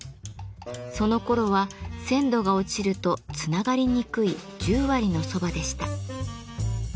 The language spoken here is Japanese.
そのころは鮮度が落ちるとつながりにくい十割の蕎麦でした。